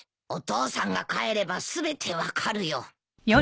お父さんが帰れば全て分かるよ。